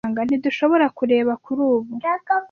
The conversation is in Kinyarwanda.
Ntidushobora kureba kuri ubu.